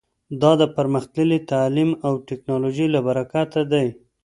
دا د پرمختللي تعلیم او ټکنالوژۍ له برکته دی